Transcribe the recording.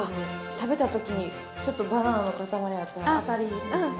食べた時にちょっとバナナの塊あったら当たりな感じ。